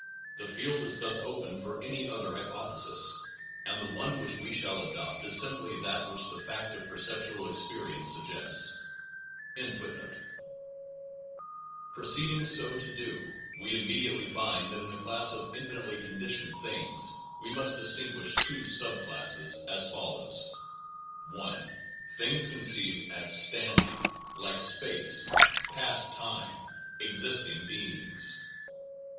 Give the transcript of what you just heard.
The field is thus open for any other hypothesis; and the one which we shall adopt is simply that which the face of per ceptual experience suggests. 166 NOVELTY AND THE INFINITE to do, we immediately find that in the class of infinitely conditioned things, we must distin guish two sub classes, as follows : 1. Things conceived as standing, like space, past time, existing beings.